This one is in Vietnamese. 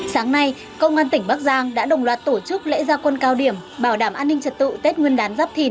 sáng nay công an tỉnh bắc giang đã đồng loạt tổ chức lễ gia quân cao điểm bảo đảm an ninh trật tự tết nguyên đán giáp thìn hai nghìn hai mươi bốn